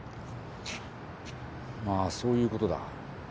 まあそういうことだ。